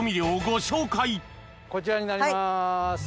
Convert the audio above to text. こちらになります。